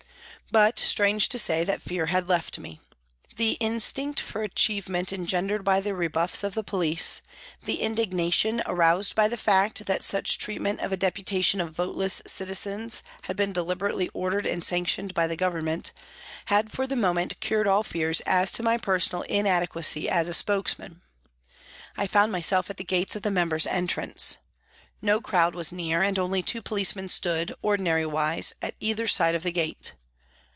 But strange to say that fear had left me. The instinct for achievement en gendered by the rebuffs of the police, the indignation aroused by the fact that such treatment of a deputa tion of voteless citizens had been deliberately ordered and sanctioned by the Government, had for the moment cured all fears as to my personal 48 PRISONS AND PRISONERS inadequacy as a spokesman. I found myself at the gates of the members' entrance. No crowd was near and only two policemen stood, ordinary wise, at either side of the gate.